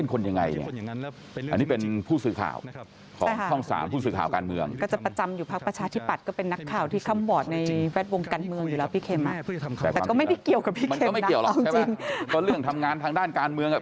ก็เรื่องทำงานทางด้านการเมืองอ่ะ